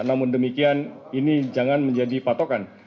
namun demikian ini jangan menjadi patokan